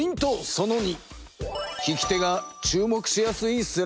その２。